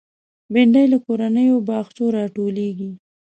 بېنډۍ له کورنیو باغچو راټولېږي